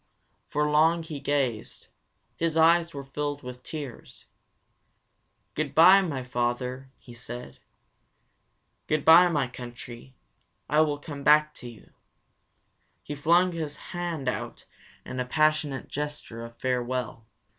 For long he gazed. His eyes were filled with tears. "Good bye, my father," he said. "Good bye, my country. I will come back to you." He flung his hand out in a passionate gesture of farewell.